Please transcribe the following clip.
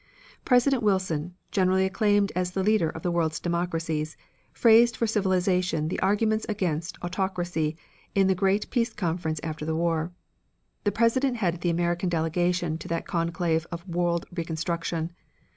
President Wilson, generally acclaimed as the leader of the world's democracies, phrased for civilization the arguments against autocracy in the great peace conference after the war. The President headed the American delegation to that conclave of world re construction.